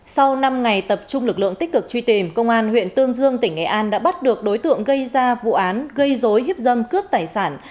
sau năm ngày tập trung lực lượng tích cực truy tìm công an huyện tương dương tỉnh nghệ an đã bắt được đối tượng gây ra vụ án gây dối cướp tài sản